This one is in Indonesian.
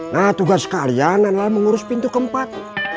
nah tugas kalian adalah mengurus pintu keempat